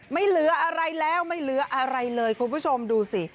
ไม่เหลืออะไรแล้วไม่เหลืออะไรเลยคุณผู้ชมดูสิ